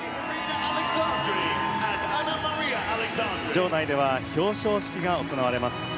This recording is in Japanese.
場内では表彰式が行われます。